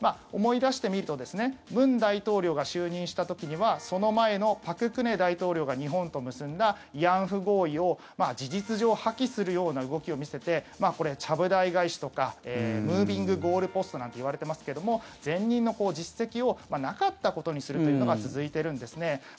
思い出してみると文大統領が就任した時にはその前の朴槿惠大統領が日本と結んだ慰安婦合意を事実上、破棄するような動きを見せてこれ、ちゃぶ台返しとかムービングゴールポストなんていわれてますけども前任の実績をなかったことにするというのが続いているんですね。